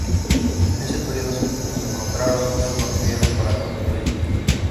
En ese periodo se encontraron otros materiales para construirlo.